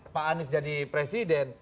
pak anies jadi presiden